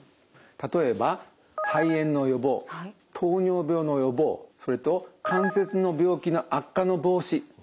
例えば肺炎の予防糖尿病の予防それと関節の病気の悪化の防止などにも効果があります。